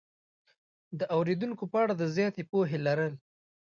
د اورېدونکو په اړه د زیاتې پوهې لرل